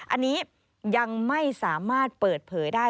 อันนี้ยังไม่สามารถเปิดเผยได้